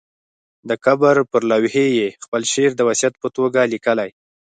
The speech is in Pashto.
د قبر پر لوحې یې خپل شعر د وصیت په توګه لیکلی.